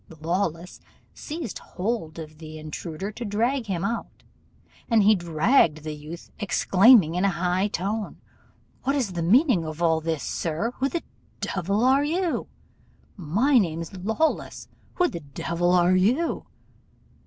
Lawless seized hold of the intruder to drag him out, and out he dragged the youth, exclaiming, in a high tone, 'What is the meaning of all this, sir? Who the devil are you? My name's Lawless: who the devil are you?